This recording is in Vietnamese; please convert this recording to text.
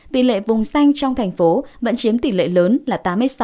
tỷ lệ vùng xanh trong thành phố vẫn chiếm tỷ lệ lớn là tám mươi sáu